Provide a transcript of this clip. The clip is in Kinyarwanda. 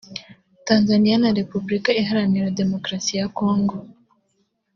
Tanzaniya na Republika iharanira demokarasi ya Congo